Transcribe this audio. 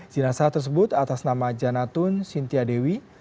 jenasa tersebut atas nama janatun sintiadewi